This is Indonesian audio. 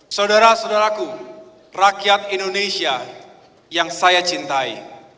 saudara saudaraku rakyat indonesia yang saya cintai